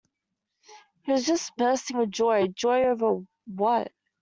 He was just bursting with joy, joy over what.